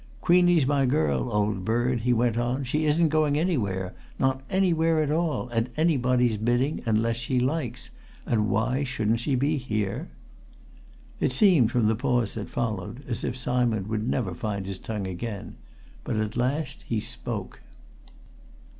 "Queenie's my girl, old bird!" he went on. "She isn't going anywhere not anywhere at all at anybody's bidding, unless she likes. And why shouldn't she be here?" It seemed, from the pause that followed, as if Simon would never find his tongue again. But at last he spoke.